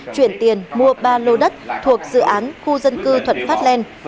chuyển tiền mua ba lô đất thuộc dự án khu dân cư thuận phát lên